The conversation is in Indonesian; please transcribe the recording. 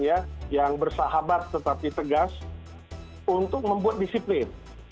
yang bersahabat tetapi tegas untuk membuat disiplin